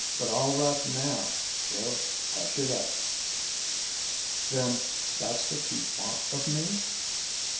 But all right now: we'll hush it up." "Then that's what you want of me?"